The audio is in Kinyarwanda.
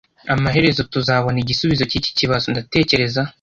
amaherezo tuzabona igisubizo cyiki kibazo, ndatekereza